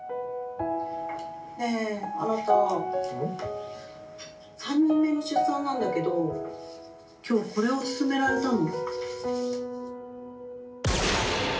「ねえあなた３人目の出産なんだけど今日これを勧められたの」。